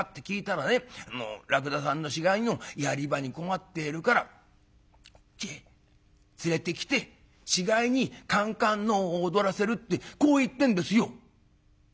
あの『らくださんの死骸のやり場に困っているからこっちへ連れてきて死骸にかんかんのうを踊らせる』ってこう言ってんですよ」。